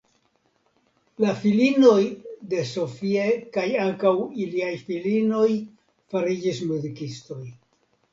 La filinoj de Sophie kaj ankaŭ iliaj filinoj fariĝis muzikistoj.